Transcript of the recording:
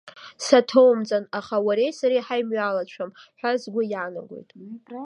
Саҭоумҵан, аха уареи сареи ҳаимҩалацәам ҳәа сгәы иаанагоит.